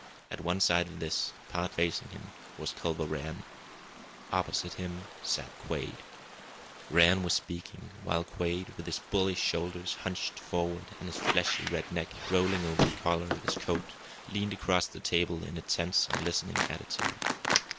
At one side of this, partly facing him, was Culver Rann. Opposite him sat Quade. Rann was speaking, while Quade, with his bullish shoulders hunched forward and his fleshy red neck, rolling over the collar of his coat, leaned across the table in a tense and listening attitude.